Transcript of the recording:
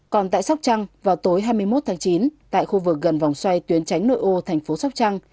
còn tại sóc trăng vào tối hai mươi một tháng chín tại khu vực gần vòng xoay tuyến tránh nội ô thành phố sóc trăng